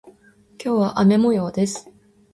今日は雨模様です。